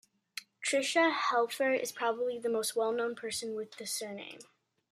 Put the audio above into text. Tricia Helfer is probably the most well known person with the surname.